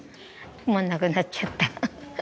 止まらなくなっちゃった。